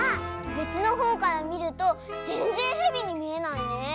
べつのほうからみるとぜんぜんヘビにみえないね。